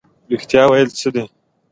رښتیا ویل څه دي؟